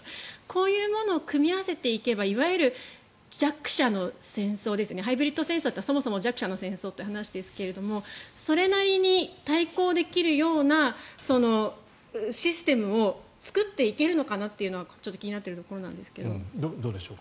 こういうものを組み合わせていけばいわゆる弱者の戦争ハイブリッド戦争というのはそもそも弱者の戦争という話ですがそれなりに対抗できるようなシステムを作っていけるのかなというのはちょっと気になっているところですが。